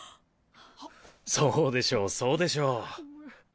そうでしょうそうでしょう。